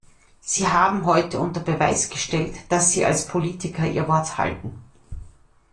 Sie haben heute unter Beweis gestellt, dass Sie als Politiker Ihr Wort halten.